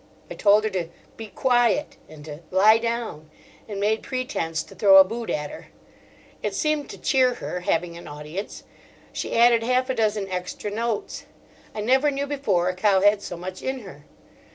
I told her to "be quiet," and to "lie down"; and made pretence to throw a boot at her. It seemed to cheer her, having an audience; she added half a dozen extra notes. I never knew before a cow had so much in her.